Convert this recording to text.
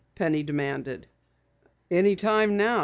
Penny demanded. "Any time now.